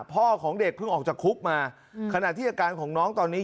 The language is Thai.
พ่อของเด็กเพิ่งออกจากคุกมาขณะที่อาการของน้องตอนนี้